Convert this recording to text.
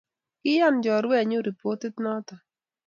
Kiiyan choruenyu ripotit notok